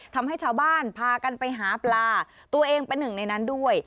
ทำให้ชาวบ้านพากันไปหาปลาตัวเองเป็นหนึ่งในนั้นด้วย